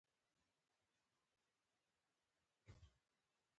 انسان د وخت په اوږدو کې ډېر پرمختګ کړی.